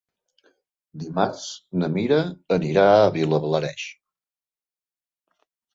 Dimarts na Mira anirà a Vilablareix.